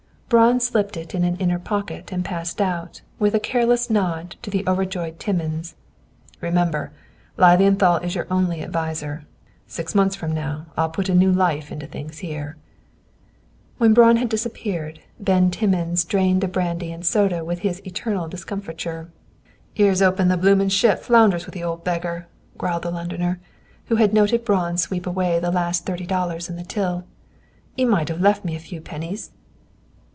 Braun slipped it in an inner pocket, and passed out, with a careless nod to the overjoyed Timmins. "Remember, Lilienthal is your only adviser. Six months from now, I'll put a new life into things here." When Braun had disappeared, Ben Timmins drained a brandy and soda to his eternal discomfiture. "'Ere's 'oping the bloomin' ship founders with the old beggar," growled the Londoner, who had noted Braun sweep away the last thirty dollars in the till. "'E might have left me a few pennies."